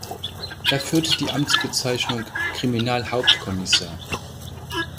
Er führt die Amtsbezeichnung Kriminalhauptkommissar.